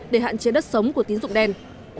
để hạn chế đất sống của tín dụng đen